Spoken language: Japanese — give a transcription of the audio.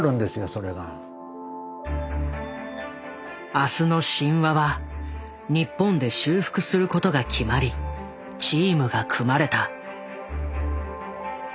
「明日の神話」は日本で修復することが決まりチームが組まれた。